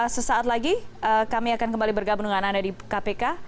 sesaat lagi kami akan kembali bergabung dengan anda di kpk